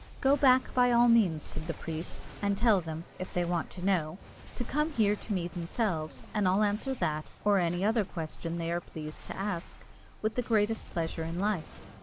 "Go back by all means," said the priest, "and tell them, if they want to know, to come here to me themselves, and I'll answer that or any other question they are pleased to ask with the greatest pleasure in life."